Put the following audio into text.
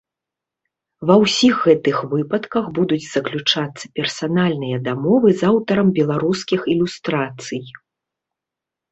Ва ўсіх гэтых выпадках будуць заключацца персанальныя дамовы з аўтарам беларускіх ілюстрацый.